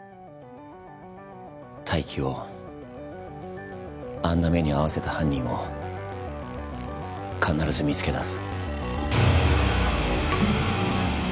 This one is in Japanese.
泰生をあんな目に遭わせた犯人を必ず見つけだす。